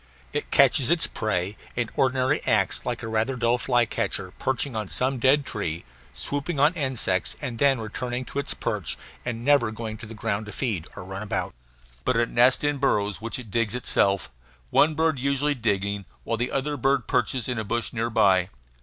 It catches its prey and ordinarily acts like a rather dull flycatcher, perching on some dead tree, swooping on insects and then returning to its perch, and never going on the ground to feed or run about. But it nests in burrows which it digs itself, one bird usually digging, while the other bird perches in a bush near by.